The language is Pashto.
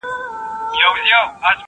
ستا توري باښې غلیمه ټولي مقدسي دي..